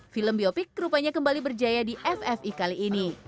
film biopik rupanya kembali berjaya di ffi kali ini